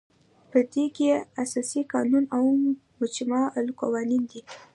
په دې کې اساسي قانون او مجمع القوانین دي.